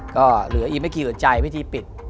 ก็เหลืออีกไม่กี่หัวใจวิธีปิด